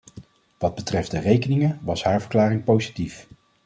Wat betreft de rekeningen was haar verklaring positief .